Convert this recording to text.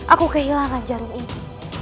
aku kehilangan jarum ini